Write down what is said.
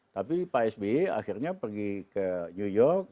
tapi pak sby akhirnya pergi ke new york